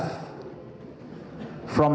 sekarang saya akan membaca paragraf